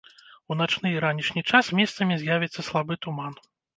У начны і ранішні час месцамі з'явіцца слабы туман.